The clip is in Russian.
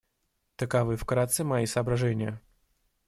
Таковы вкратце мои соображения.